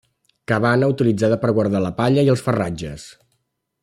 Cabana utilitzada per guardar la palla i els ferratges.